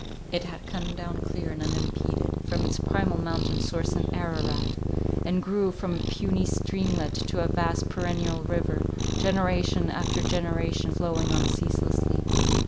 It had come down clear and unimpeded from its primal mountain source in Ararat, and grew from a puny streamlet to a vast perennial river, generation after generation flowing on ceaselessly.